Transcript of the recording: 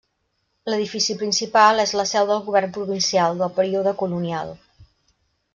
L'edifici principal és la seu del govern provincial, del període colonial.